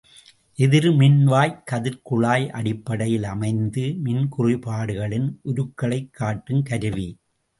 எதிர்மின்வாய்க் கதிர்க்குழாய் அடிப்படையில் அமைந்து மின்குறிபாடுகளின் உருக்களைக் காட்டுங் கருவி.